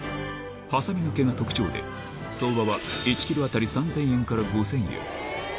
はさみの毛が特徴で、相場は１キロ当たり３０００円から５０００円。